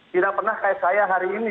tidak pernah kayak saya hari ini